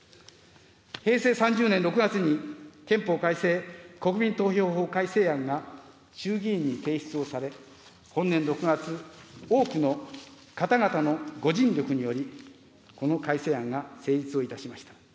平成３０年６月に、憲法改正国民投票法改正案が衆議院に提出をされ、本年６月、多くの方々のご尽力により、この改正案が成立をいたしました。